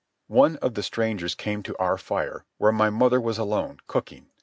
One of the strangers came to our fire, where my mother was alone, cooking.